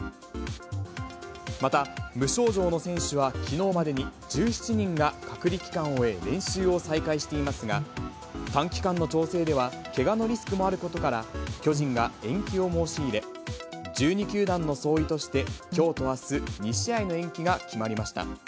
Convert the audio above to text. また、無症状の選手は、きのうまでに１７人が隔離期間を終え、練習を再開していますが、短期間の調整ではけがのリスクもあることから、巨人が延期を申し入れ、１２球団の総意として、きょうとあす、２試合の延期が決まりました。